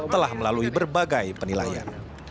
telah melalui berbagai penilaian